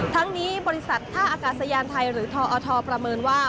ทั้งนี้บริษัทท่าอากาศยานไทยหรือทอทประเมินว่า